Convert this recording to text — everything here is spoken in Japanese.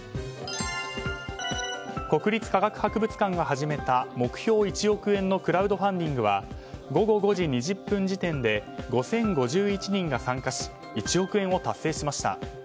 国立科学博物館が始めた目標１億円のクラウドファンディングは午後５時２０分時点で５０５１人が参加し１億円を達成しました。